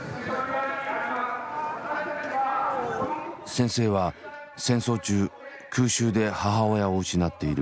先生は戦争中空襲で母親を失っている。